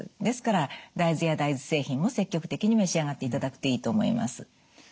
ですから大豆や大豆製品も積極的に召し上がっていただくといいと思います。